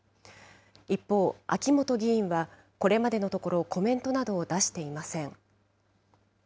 一方、秋本議員は、これまでのところ、コメントなどを出していません。